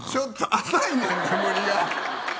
浅いねん、眠りが。